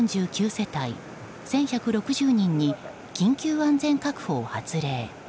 世帯１１６０人に緊急安全確保を発令。